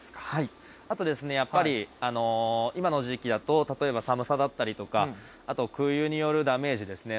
あとですね、やっぱり、今の時期だと、例えば寒さだったりとか、あと空輸によるダメージですね。